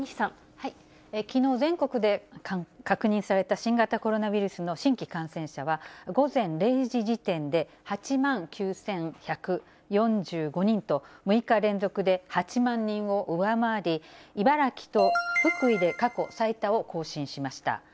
きのう、全国で確認された新型コロナウイルスの新規感染者は、午前０時時点で８万９１４５人と、６日連続で８万人を上回り、茨城と福井で過去最多を更新しました。